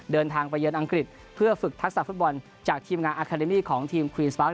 เดินทางไปเยินอังกฤษเพื่อฝึกทักษะฝุ่นบอลจากทีมงานของทีม